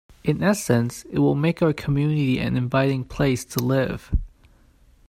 In essence, it will make our community an inviting place to live.